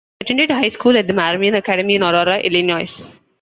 He attended high school at the Marmion Academy in Aurora, Illinois.